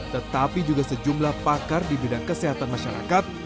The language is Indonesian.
tetapi juga sejumlah pakar di bidang kesehatan masyarakat